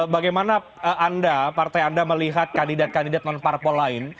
bagaimana anda partai anda melihat kandidat kandidat non parpol lain